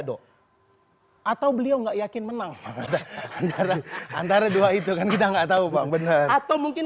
dong atau beliau enggak yakin menang antara dua itu kan kita nggak tahu bang bener atau mungkin